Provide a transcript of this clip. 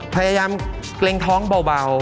พยายามเกรงท้องเบา